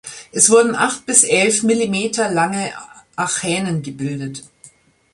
Es wurden acht bis elf Millimeter lange Achänen gebildet.